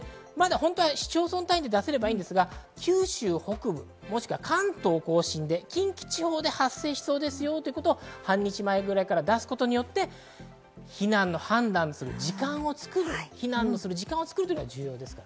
市町村単位で出せればいいですが、九州北部、もしくは関東甲信で近畿地方で発生しそうですよということを半日前くらいから出すことで避難の判断する時間を作る避難する時間を作るのが重要です。